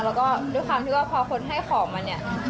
แล้วก็ด้วยความที่ว่าพอคนให้ของมาเนี่ย